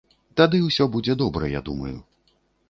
Тады ўсё будзе добра, я думаю.